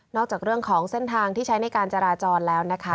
จากเรื่องของเส้นทางที่ใช้ในการจราจรแล้วนะคะ